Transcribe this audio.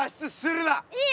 いいよ